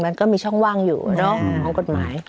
มันก็มีช่องว่างอยู่ของกฎหมาย